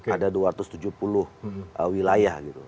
ada dua ratus tujuh puluh wilayah gitu